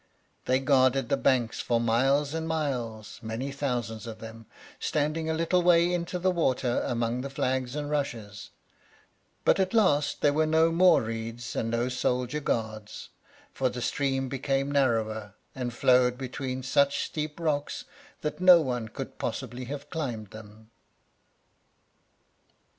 They guarded the banks for miles and miles, many thousands of them, standing a little way into the water among the flags and rushes; but at last there were no more reeds and no soldier guards, for the stream became narrower, and flowed between such steep rocks that no one could possibly have climbed them.